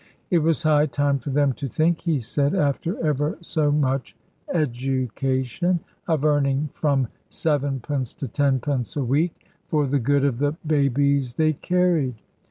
It was high time for them to think, he said, after ever so much education, of earning from sevenpence to tenpence a week, for the good of the babies they carried.